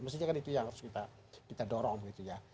mestinya kan itu yang harus kita dorong gitu ya